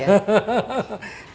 ada di sini